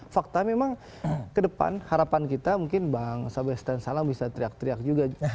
fakta memang ke depan harapan kita mungkin bang sabes dan salang bisa teriak teriak juga